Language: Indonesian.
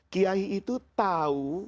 kiai itu tahu